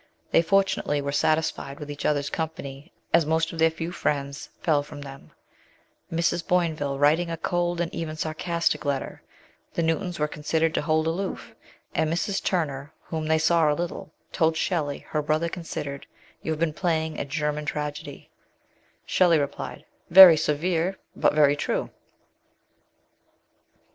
They fortunately were satisfied with each other's company, as most of their few friends fell from them, Mrs. Boinville writing a " cold and even sarcastic letter ;" the Newtons were considered to hold aloof; and Mrs. Turner, whom they saw a little, told Shelley her brother considered " you 've been playing a German tragedy/' Shelley replied, " Very severe, but very true."